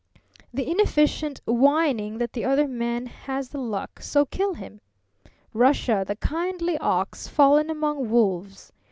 The inefficient, whining that the other man has the luck, so kill him! Russia, the kindly ox, fallen among wolves!